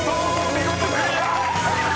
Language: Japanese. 見事クリア！］